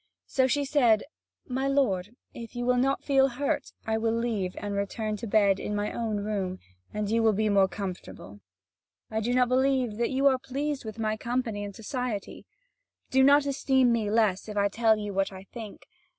So she said: "My lord, if you will not feel hurt, I will leave and return to bed in my own room, and you will be more comfortable. I do not believe that you are pleased with my company and society. Do not esteem me less if I tell you what I think.